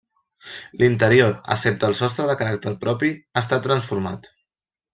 L'interior, excepte el sostre de caràcter propi, ha estat transformat.